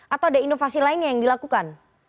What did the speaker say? atau ada inovasi lainnya yang dilakukan